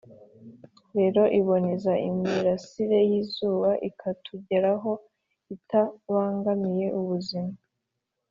rero, iboneza imirasire y'izuba ikatugeraho itabangamiye ubuzima